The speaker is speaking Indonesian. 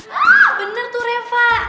hah bener tuh reva